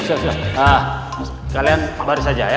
udah kalian baris aja ya